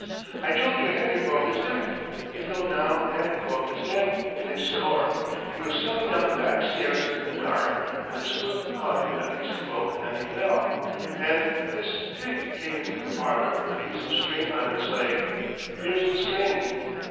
"I told you Henry broke his neck. He fell down and broke his neck, in his store. He was coming down the back stairs in the dark, and his foot caught in a piece of rope and he fell. And this pig came into the parlor with a piece of string on its leg! Here's the string."